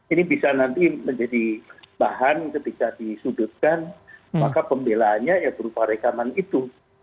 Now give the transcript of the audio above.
ini bisa nanti menjadi bahan ketika disudutkan maka pembelaannya ya berupa rekaman itu